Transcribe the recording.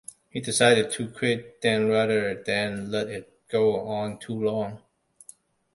We decided to quit then rather than let it go on too long.